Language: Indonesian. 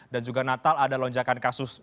juga natal ada lonjakan kasus